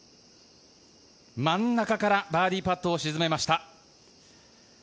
真ん中からバーディーパットを沈めました。